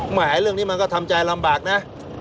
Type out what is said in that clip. หมายเรื่องนี้มันก็ทำใจลำบากนะ